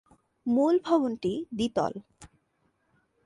মূল ভবনটি দ্বিতল।